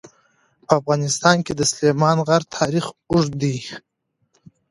په افغانستان کې د سلیمان غر تاریخ اوږد دی.